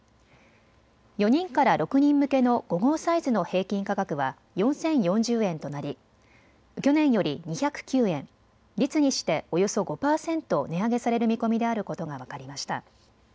４人から６人向けの５号サイズの平均価格は４０４０円となり去年より２０９円、率にしておよそ５％値上げされる見込みであることが分かりました。